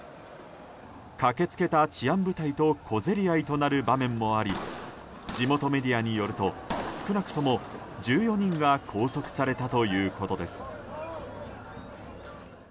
駆け付けた治安部隊と小競り合いとなる場面もあり地元メディアによると少なくとも１４人が拘束されたということです。